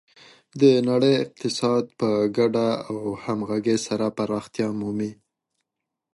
د نړۍ اقتصاد په ګډه او همغږي سره پراختیا مومي.